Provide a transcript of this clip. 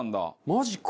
マジか。